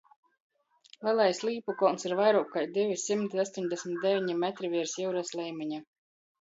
Lelais Līpukolns ir vairuok kai divi symti ostoņdesmit deveni metri viers jiurys leimiņa.